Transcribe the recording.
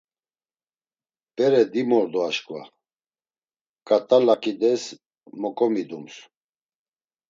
Bere dimordu aşǩva, ǩat̆a laǩides moǩomidums.